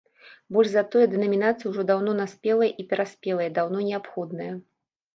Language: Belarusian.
Больш за тое, дэнамінацыя ўжо даўно наспелая і пераспелая, даўно неабходная.